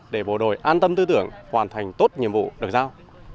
để bộ đội an tâm tư tưởng hoàn thành tốt nhiệm vụ được giao